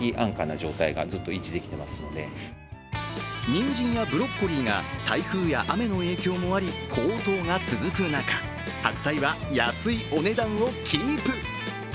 にんじんやブロッコリーが台風や雨の影響もあり、高騰が続く中、白菜は安いお値段をキープ。